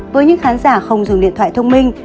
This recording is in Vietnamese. với những khán giả không dùng điện thoại thông minh